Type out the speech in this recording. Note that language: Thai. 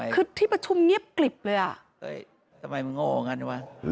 คือที่ประชุมเงียบกลิบเลยอะ